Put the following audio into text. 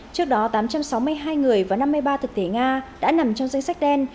trước đó tám trăm sáu mươi hai người và năm mươi ba thực thể nga đã nằm trong danh sách đen